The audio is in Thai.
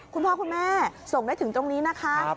คุณพ่อคุณแม่ส่งได้ถึงตรงนี้นะคะ